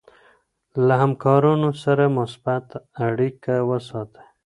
له همکارانو سره مثبت اړیکه وساتئ.